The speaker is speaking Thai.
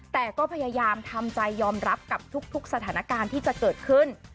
แต่ก็พยายามทำใจยอมรับกับทุกสถานการณ์ที่จะเกิดขึ้น